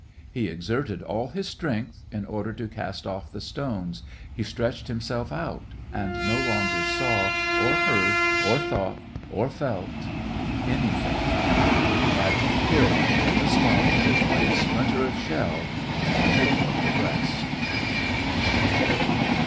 He exerted all his strength, in order to cast off the stones ; he stretched himself out, and no longer saw or heard or thought or felt any thing. He had been killed on the spot by a splinter of shell, in the middle of the breast.